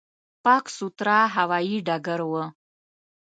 پاک، سوتره هوایي ډګر و.